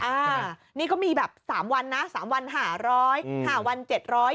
อ่านี่ก็มีแบบสามวันนะสามวันห้าร้อยห้าวันเจ็ดร้อย